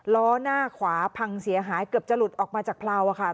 ล้อหน้าขวาพังเสียหายเกือบจะหลุดออกมาจากเพลาค่ะ